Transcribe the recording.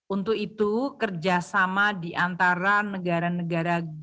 untuk itu kerjasama di antara negara negara g dua puluh